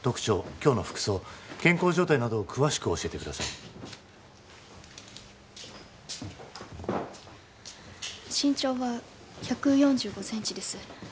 今日の服装健康状態などを詳しく教えてください身長は１４５ｃｍです